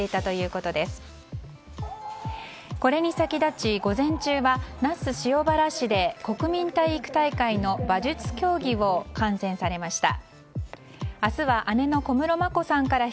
これに先立ち、午前中は那須塩原市で国民体育大会の馬術競技を観戦されました。